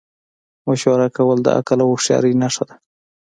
مشوره کول د عقل او هوښیارۍ نښه ده.